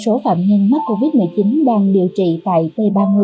số phạm nhân mắc covid một mươi chín đang điều trị tại t ba mươi